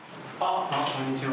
こんにちは。